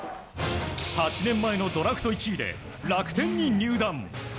８年前のドラフト１位で楽天に入団。